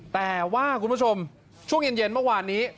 แต่ว่าคุณผู้ชมช่วงเย็นเมื่อวานนี้